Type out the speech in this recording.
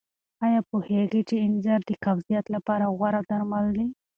آیا پوهېږئ چې انځر د قبضیت لپاره غوره درمل دي؟